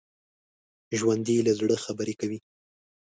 ژوندي له زړه خبرې کوي